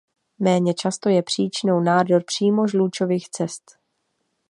Méně často je příčinou nádor přímo žlučových cest.